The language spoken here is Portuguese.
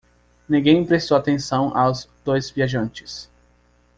Ninguém prestou atenção aos dois viajantes.